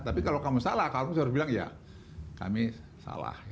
tapi kalau kamu salah kamu harus bilang ya kami salah